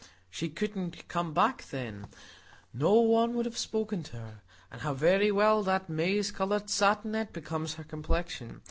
She couldn't come back then; no one would have spoken to her; and how very well that maize coloured satinette becomes her complexion!